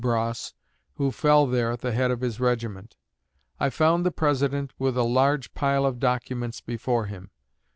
Bross, who fell there at the head of his regiment. I found the President with a large pile of documents before him.